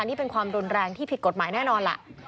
นี่เป็นความรุนแรงที่ผิดกฎหมายแน่นอนล่ะ